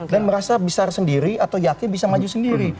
dan merasa bisa sendiri atau yakin bisa maju sendiri